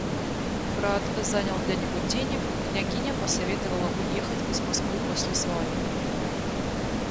Брат занял для него денег, княгиня посоветовала уехать из Москвы после свадьбы.